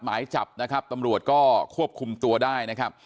หมายจับนะครับตำรวจก็ควบคุมตัวได้นะครับ